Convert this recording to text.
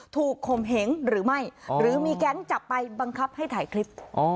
ข่มเหงหรือไม่หรือมีแก๊งจับไปบังคับให้ถ่ายคลิป